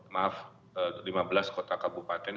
maaf lima belas kota kabupaten